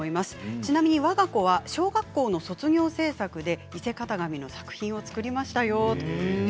ちなみに、わが子は小学校の卒業制作で伊勢型紙の作品を作りましたよということです。